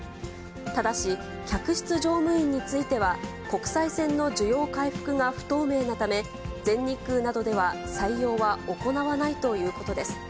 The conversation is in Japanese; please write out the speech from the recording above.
ただし、客室乗務員については、国際線の需要回復が不透明なため、全日空などでは採用は行わないということです。